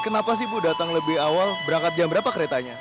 kenapa sih bu datang lebih awal berangkat jam berapa keretanya